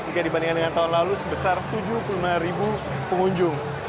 jika dibandingkan dengan tahun lalu sebesar tujuh puluh lima ribu pengunjung